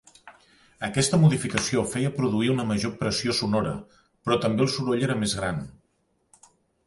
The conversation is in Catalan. Aquesta modificació feia produir una major pressió sonora, però també el soroll era més gran.